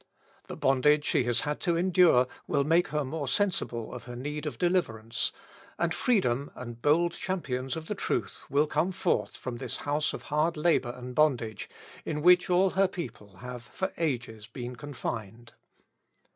The bondage she has had to endure will make her more sensible of her need of deliverance; and freedom, and bold champions of the truth, will come forth from this house of hard labour and bondage, in which all her people have, for ages, been confined.